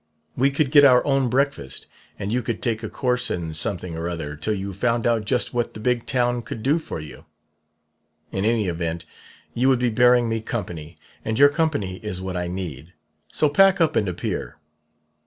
We could get our own breakfast, and you could take a course in something or other till you found out just what the Big Town could do for you. In any event you would be bearing me company, and your company is what I need. So pack up and appear."